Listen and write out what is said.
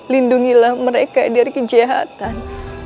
lindungilah mereka dari kejahatan